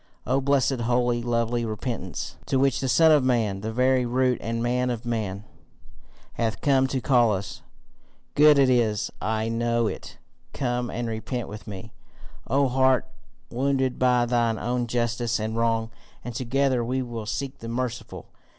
O blessed, holy, lovely repentance to which the Son of Man, the very root and man of men, hath come to call us! Good it is, and I know it. Come and repent with me, O heart wounded by thine own injustice and wrong, and together we will seek the merciful.